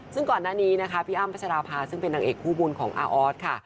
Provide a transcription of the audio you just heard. ซึ่งก่อนหน้านี้พี่อ้ำประชาราภาซึ่งเป็นหนังเอกผู้บุญของออธค่ะ